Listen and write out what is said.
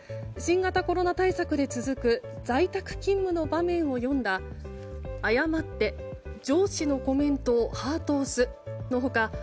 新型コロナ対策で続く在宅勤務の場面を詠んだ「誤って上司のコメントハート押す」の他